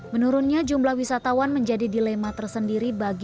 menurunnya jumlah wisatawan menjadi dilema tersendiri bagi